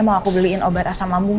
mau aku beliin obat asam lambung